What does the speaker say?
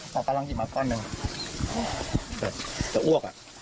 หมอปลาลองกินมาก้อนหนึ่งจะอ้วกอ่ะ